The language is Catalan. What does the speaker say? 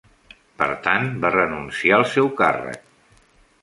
Per tant, va renunciar al seu càrrec.